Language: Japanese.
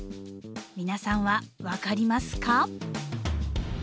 皆さんは分かりますか？